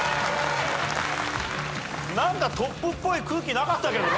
何かトップっぽい空気なかったけどな。